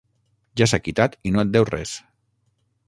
Ja s'ha quitat i no et deu res.